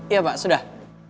iya pak sudah